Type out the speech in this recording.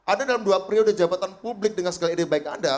anda dalam dua periode jabatan publik dengan segala ide baik anda